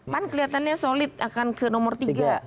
pan kelihatannya solid akan ke nomor tiga